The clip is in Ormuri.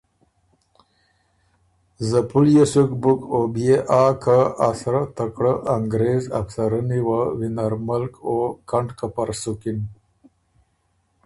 زپُليې سُک بُک او بيې آ که ا سرۀ تکړه انګرېز افسرني وه وینر ملک او کنډکپر سُکِن